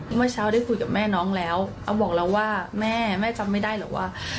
เมื่อเช้าได้คุยกับแม่น้องแล้วเขาบอกเราว่าแม่แม่จำไม่ได้หรอกว่า